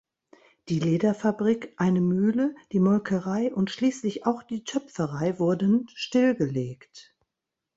Die Lederfabrik, eine Mühle, die Molkerei und schließlich auch die Töpferei wurden stillgelegt.